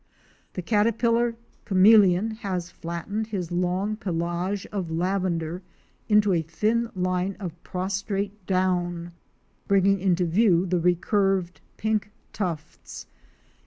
The caterpillar chameleon has flattened his longer pelage of lavender into a thin line of prostrate aown, bringing into view the recurved pink tufts, anu.